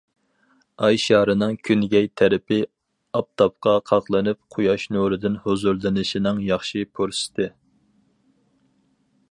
ئاي شارىنىڭ كۈنگەي تەرىپى ئاپتاپقا قاقلىنىپ قۇياش نۇرىدىن ھۇزۇرلىنىشنىڭ ياخشى پۇرسىتى.